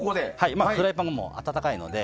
フライパンが温かいので。